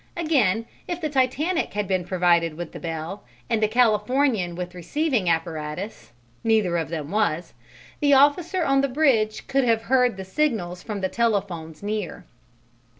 Again, if the Titanic had been provided with a bell and the Californian with receiving apparatus, neither of them was, the officer on the bridge could have heard the signals from the telephones near.